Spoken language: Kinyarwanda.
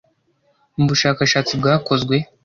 mu bushakashatsi bwakozwe